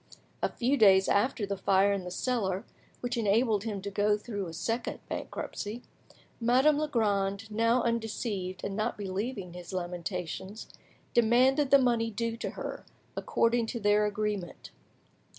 A few days after the fire in the cellar, which enabled him to go through a second bankruptcy, Madame Legrand, now undeceived and not believing his lamentations, demanded the money due to her, according to their agreement.